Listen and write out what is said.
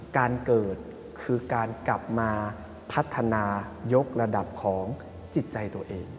การเกิดคือการกลับมาพัฒนายกระดับของจิตใจตัวเอง